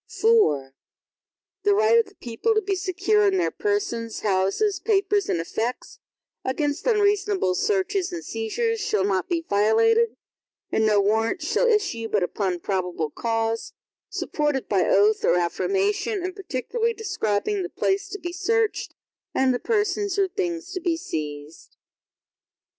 IV The right of the people to be secure in their persons, houses, papers, and effects, against unreasonable searches and seizures, shall not be violated, and no Warrants shall issue, but upon probable cause, supported by oath or affirmation, and particularly describing the place to be searched, and the persons or things to be seized.